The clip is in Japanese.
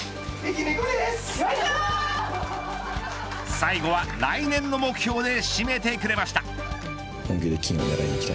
最後は来年の目標で締めてくれました。